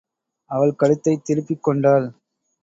அவள் கழுத்தைத் திருப்பிக் கொண்டாள்.